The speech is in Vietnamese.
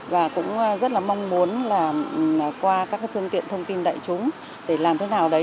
và cũng rất mong muốn qua các thương tiện thông tin đại chúng để làm thế nào đấy